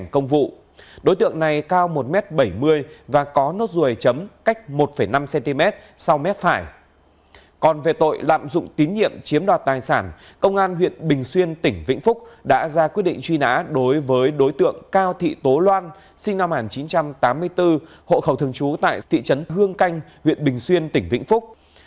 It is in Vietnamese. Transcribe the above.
còn về tội lạm dụng tín nhiệm chiếm đoạt tài sản công an huyện bình xuyên tỉnh vĩnh phúc đã ra quyết định truy nã đối với đối tượng cao thị tố loan sinh năm một nghìn chín trăm tám mươi bốn hộ khẩu thường trú tại thị trấn hương canh huyện bình xuyên tỉnh vĩnh phúc